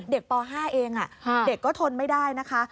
เด็กป๕เองเด็กก็ทนไม่ได้นะ